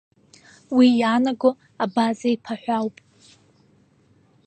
Уи иаанаго абаза-иԥа ҳәа ауп.